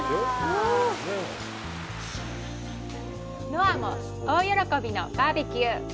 ノアも大喜びのバーベキュー。